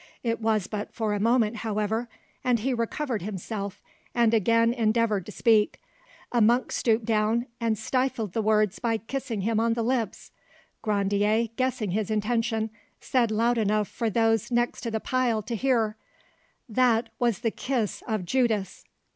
It was but for a moment, however, and he recovered himself, and again endeavoured to speak, a monk stooped down and stifled the words by kissing him on the lips. Grandier, guessing his intention, said loud enough for those next the pile to hear, "That was the kiss of Judas!"